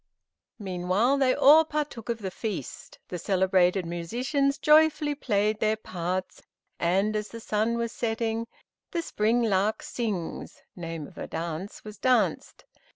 Meanwhile, they all partook of the feast; the selected musicians joyfully played their parts, and as the sun was setting, "The Spring lark Sings" (name of a dance) was danced.